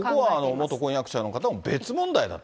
ここは元婚約者の方も別問題だと。